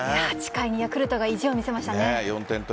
８回にヤクルトが意地を見せましたね。